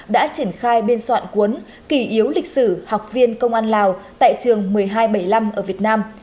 đã triển khai biên soạn cuốn kỷ yếu lịch sử học viên công an lào tại trường một mươi hai trăm bảy mươi năm ở việt nam